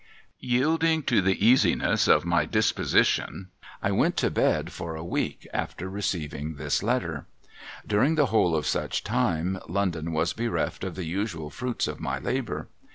Yielding to the easiness of my disposition, I went to bed for a 314 SOMEBODY'S LUGGAGE week, after receiving this letter. During the whole of such time, London was bereft of the usual fruits of my labour.